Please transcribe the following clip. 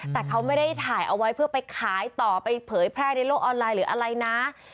แต่เขาไม่ได้ถ่ายเอาไว้เพื่อไปขายต่อไปเผยแพร่ในโลกออนไลน์หรืออะไรนะ